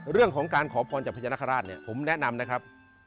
เรื่องของการขอพรจักรรภรรทผมแนะนำนะครับ